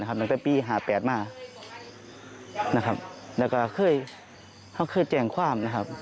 ตั้งแต่ปี๕๘มาแล้วก็เคยแจ้งความ